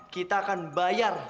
kita akan bayar